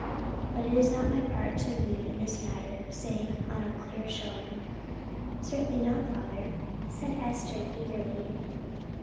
But it is not my part to move in this matter save on a clear showing." "Certainly not, father," said Esther, eagerly.